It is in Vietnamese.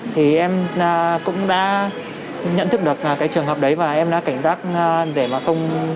thì em cũng đã nhận thức được cái trường hợp đấy và em đã cảnh giác để mà không